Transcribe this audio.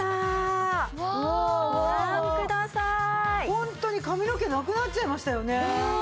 ホントに髪の毛なくなっちゃいましたよね。